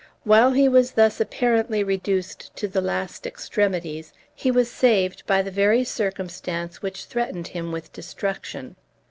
While he was thus apparently reduced to the last extremities, he was saved by the very circumstance which threatened him with destruction.